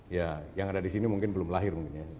ya yang ada di sini mungkin belum lahir